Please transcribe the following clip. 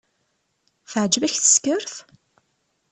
Teεǧeb-ak teskert?